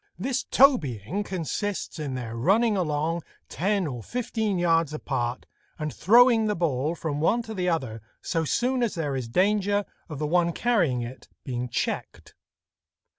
This tobying consists in their running along ten or fifteen yards apart, and throwing the ball from one to the other so soon as there is danger of the one carrying it being checked.